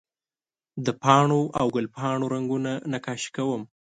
د پاڼو او ګل پاڼو رګونه نقاشي کوم